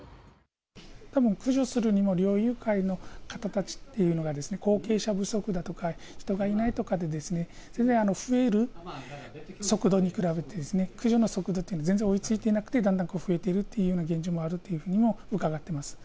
たぶん、駆除するにも猟友会の方たちっていうのがですね、後継者不足だとか、人がいないとかで、それで増える速度に比べて、駆除の速度っていうのが、全然追いついてなくって、だんだん増えているというような現状もあるっ